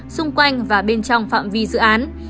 xung quanh và bên trong phạm vi dự án